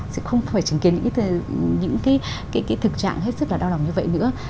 sẽ không phải chứng kiến những cái thực trạng hết sức là đau lòng như vậy nữa